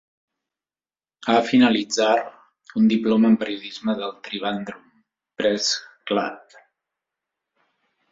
Ha finalitzar un diploma en periodisme del Trivandrum Press Club.